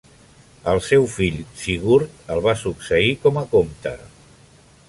El seu fill Sigurd el va succeir com a comte.